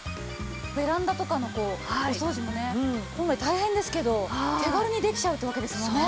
ベランダとかのお掃除もね本来大変ですけど手軽にできちゃうってわけですもんね。